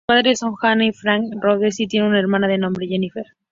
Sus padres son Jane y Frank Rhodes, y tiene una hermana de nombre Jennifer.